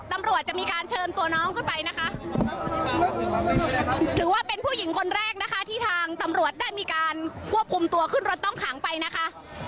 ตำรวจจะมีการเชิญตัวน้องขึ้นไปนะคะถือว่าเป็นผู้หญิงคนแรกนะคะที่ทางตำรวจได้มีการควบคุมตัวขึ้นรถต้องขังไปนะคะ